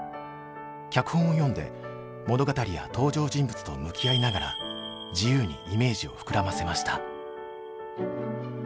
脚本を読んで物語や登場人物と向き合いながら自由にイメージを膨らませました。